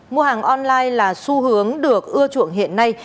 mua hàng online là xu hướng được ưa chuộng hiện nay